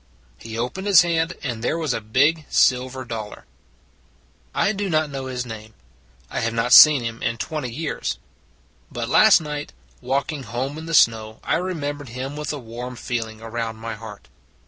He opened his hand, and there was a big silver dollar. I do not know his name; I have not seen him in twenty years; but last night, walk ing home in the snow, I remembered him with a warm feeling around my heart.